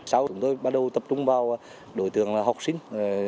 sau đó chúng tôi bắt đầu tập trung vào đối tượng học sinh